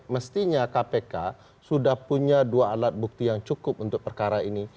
mestinya kpk sudah punya dua alat bukti yang cukup untuk perkara ini